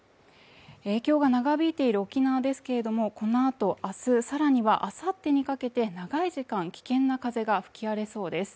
影響が長引いている沖縄ですけれどもこのあとあすさらにはあさってにかけて長い時間危険な風が吹き荒れそうです